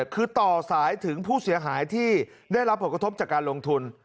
คือต่อสายถึงผู้เสียหายที่ได้รับผลกระทบจากการลงทุน